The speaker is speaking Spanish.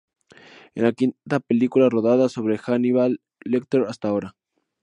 Es la quinta película rodada sobre Hannibal Lecter hasta ahora.